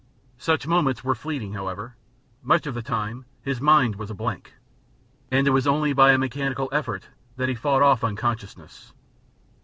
Such moments were fleeting, however; much of the time his mind was a blank, and it was only by a mechanical effort that he fought off unconsciousness.